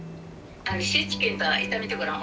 シーチキンと炒めてごらん。